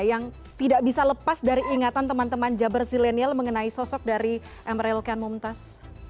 yang tidak bisa lepas dari ingatan teman teman jabar zilenial mengenai sosok dari mrlkmumtas